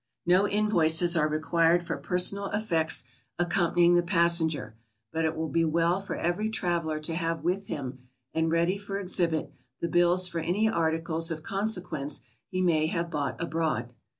No invoices are required for personal effects accom panying the passenger, but it will be well for every traveler to have with him and ready for exhibit the bills for any articles of consequence he may have bought abroad.